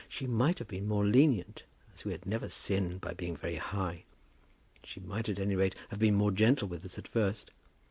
She might have been more lenient, as we had never sinned by being very high. She might, at any rate, have been more gentle with us at first.